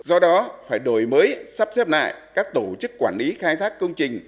do đó phải đổi mới sắp xếp lại các tổ chức quản lý khai thác công trình